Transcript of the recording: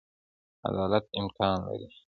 عدالت امکان لري.